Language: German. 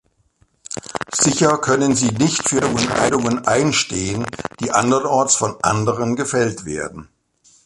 Sicher können Sie nicht für Entscheidungen einstehen, die andernorts von anderen gefällt werden.